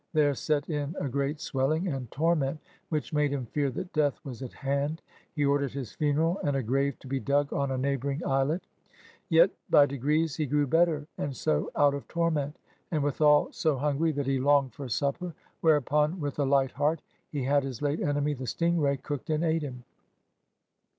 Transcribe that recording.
There set in a great swelling and tor ment which made him fear that death was at hand. He ordered his funeral and a grave to be dug on a neighboring islet. Yet by degrees he grew better and so out of torment, and withal so hungry that he longed for supper, whereupon, with JOHN SMITH 58 a light heart) he had his late enemy the sting ray cooked and ate him.